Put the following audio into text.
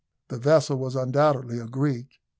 The vessel was undoubtedly a Greek.